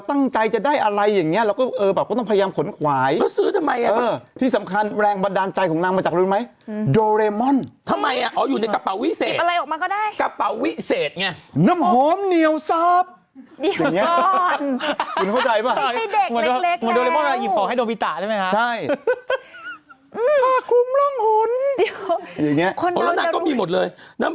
แต่จริงแบบคนเราจะนอนอยู่บ้านเฉย